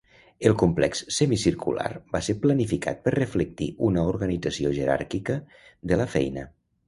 El complex semicircular va ser planificat per reflectir una organització jeràrquica de la feina.